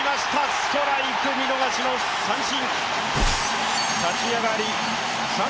ストライク見逃しの三振。